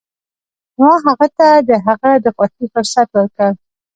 ما هغه ته د هغه د خوښې فرصت ورکړ.